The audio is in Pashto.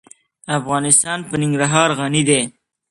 افغانستان په ننګرهار غني دی.